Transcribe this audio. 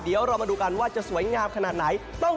เดี๋ยวเรามาดูกันว่าจะสวยงามขนาดไหน